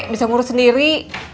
bisa ngurus sendiri